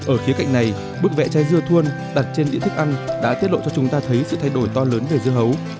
ở khía cạnh này bước vẽ trái dưa thuân đặt trên dĩa thích ăn đã tiết lộ cho chúng ta thấy sự thay đổi to lớn về dưa hấu